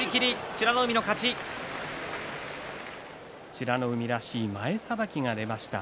美ノ海らしい前さばきが出ました。